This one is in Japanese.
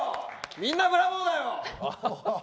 みんな、ブラボーだよ。